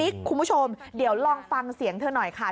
คุณผู้ชมเดี๋ยวลองฟังเสียงเธอหน่อยค่ะ